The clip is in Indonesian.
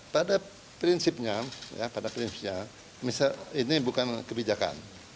pada prinsipnya ini bukan kebijakan